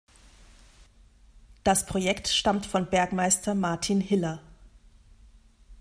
Das Projekt stammt von Bergmeister Martin Hiller.